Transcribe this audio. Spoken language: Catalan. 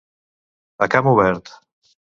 A camp obert.